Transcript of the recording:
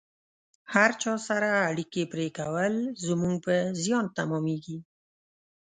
هر چا سره اړیکې پرې کول زموږ پر زیان تمامیږي